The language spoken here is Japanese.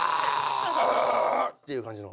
「あー！」っていう感じの。